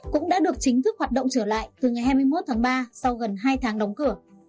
cũng đã được chính thức hoạt động trở lại từ ngày hai mươi một tháng ba sau gần hai tháng đóng cửa